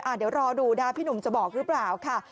อ่าโดยเดี๋ยวรอดูด้าพี่หนุ่มจะบอกรึเปล่าค่ะ